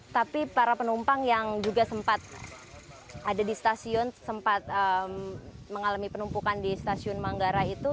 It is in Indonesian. tapi para penumpang yang juga sempat ada di stasiun sempat mengalami penumpukan di stasiun manggarai itu